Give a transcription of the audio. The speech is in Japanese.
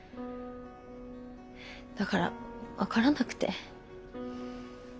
だから分からなくて。